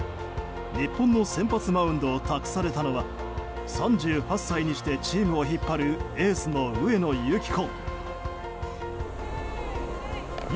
日本の先発マウンドを託されたのは３８歳にしてチームを引っ張るエースの上野由岐子。